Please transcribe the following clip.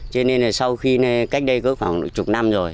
cho nên là sau khi cách đây có khoảng độ chục năm rồi